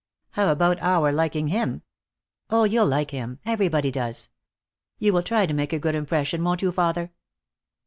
"How about our liking him?" "Oh, you'll like him. Everybody does. You will try to make a good impression, won't you, father?"